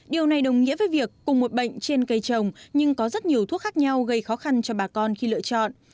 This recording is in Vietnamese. điều này đồng nghĩa với việc cùng một bệnh trên cây trồng nhưng có rất nhiều thuốc khác nhau gây khó khăn cho bà con khi lựa chọn